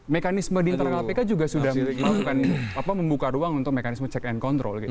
mekanisme di inter klpk juga sudah membuka ruang untuk mekanisme check and control